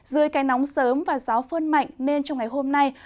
dưới cây nóng sớm và gió phơn mạnh nên trong ngày hôm nay